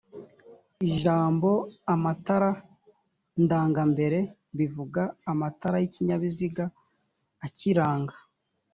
ijambo amatara ndangambere bivuga amatara y’ikinyabiziga akiranga